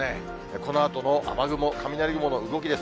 このあとの雨雲、雷雲の動きです。